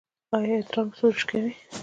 ایا ادرار مو سوزش کوي؟